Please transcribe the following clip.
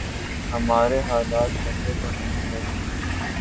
ہمارے حالات ایسے تو نہیں رہے۔